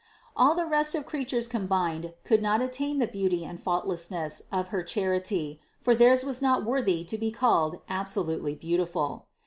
All the rest of the creatures combined could not attain the beauty and faultlessness of her Charity for theirs was not worthy to be called absolutely beautiful.